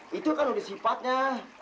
itu kan udah sifatnya